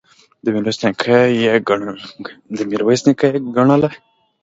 د میرویس نیکه یې ګڼله.